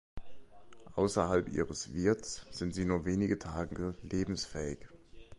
Außerhalb ihres Wirts sind sie nur wenige Tage lebensfähig.